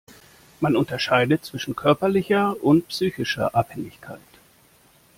Man unterscheidet zwischen körperlicher und psychischer Abhängigkeit.